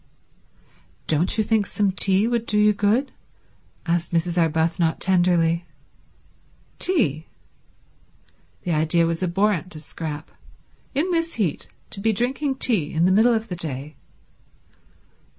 "Don't you think some tea would do you good?" asked Mrs. Arbuthnot tenderly. Tea? The idea was abhorrent to Scrap. In this heat to be drinking tea in the middle of the day.